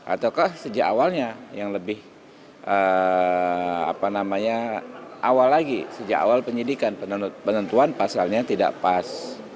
ataukah sejak awalnya yang lebih awal lagi sejak awal penyidikan penentuan pasalnya tidak pas